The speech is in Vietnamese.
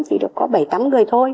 vì được có bảy tám người thôi